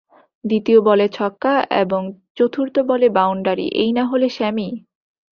দ্বিতীয় বলে ছক্কা এবং চতুর্থ বলে বাউন্ডারি, এই না হলে স্যামি